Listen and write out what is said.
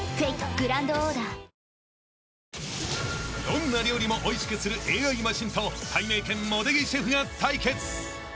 ［どんな料理もおいしくするＡＩマシンとたいめいけん茂出木シェフが対決］